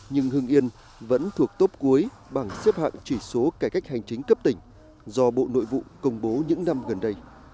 nhưng hương yên vẫn thuộc tốt cuối bảng xếp hạng chỉ số cải cách hành chính cấp tỉnh do bộ nội vụ công bố những năm gần đây